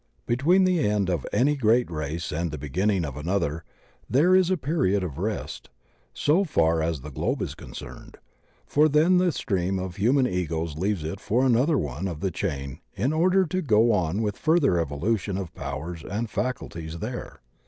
Between the end of any great race and the begin ning of another there is a period of rest, so far as the globe is concerned, for then the stream of hmnan Egos leaves it for another one of the chain in order to go on with further evolution of powers and faculties there.